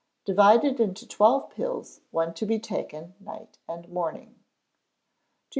Divide into twelve pills; one to be taken night and morning. 2391.